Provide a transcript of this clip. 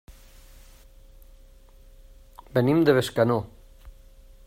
Venim de Bescanó.